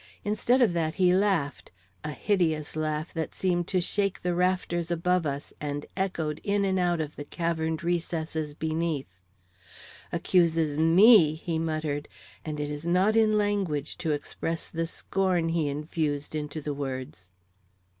Instead of that he laughed; a hideous laugh that seemed to shake the rafters above us and echoed in and out of the caverned recesses beneath. "Accuses me?" he muttered; and it is not in language to express the scorn he infused into the words.